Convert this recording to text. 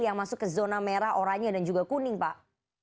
yang masuk ke zona merah oranye dan juga kuning pak